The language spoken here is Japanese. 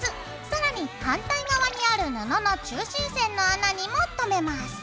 さらに反対側にある布の中心線の穴にもとめます。